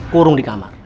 kurung di kamar